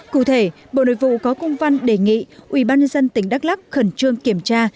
cụ thể bộ nội vụ có công văn đề nghị ubnd tỉnh đắk lắc khẩn trương kiểm tra